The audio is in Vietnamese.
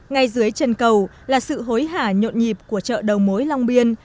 ngay dưới chân cầu là sự hối hả nhộn nhịp của chợ đầu mối long biên